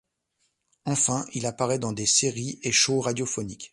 Enfin, il apparaît dans des séries et shows radiophoniques.